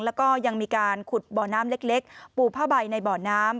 แล้วก็ยังมีการขุดบ่อน้ำเล็กปูผ้าใบในบ่อน้ำ